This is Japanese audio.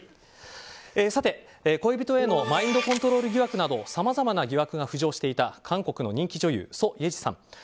さて、恋人へのマインドコントロール疑惑などさまざまな疑惑が浮上していた韓国の人気女優ソ・イェジさん。